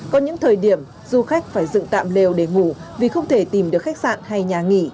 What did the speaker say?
có những thời điểm du khách phải dựng tạm lều để ngủ vì không thể tìm được khách sạn hay nhà nghỉ